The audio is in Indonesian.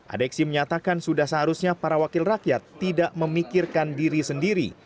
adeksi menyatakan sudah seharusnya para wakil rakyat tidak memikirkan diri sendiri